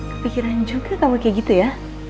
kepikiran juga kalau kayak gitu ya